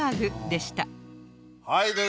はい。